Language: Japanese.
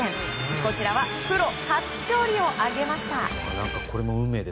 こちらはプロ初勝利を挙げました。